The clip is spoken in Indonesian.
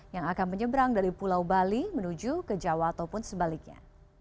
yang akan menyeberang dari pulau bali menuju ke jawa ataupun sebaliknya